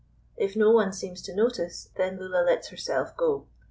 If no one seems to notice, then Lulla lets herself go.